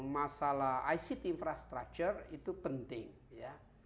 masalah ict infrastructure itu penting ya